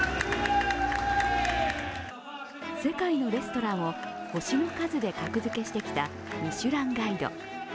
世界のレストランを星の数で格付けしてきた「ミシュランガイド」。